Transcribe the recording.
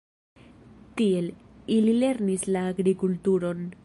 Tiel, ili lernis la agrikulturon.